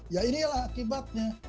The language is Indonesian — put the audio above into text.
ya inilah akibatnya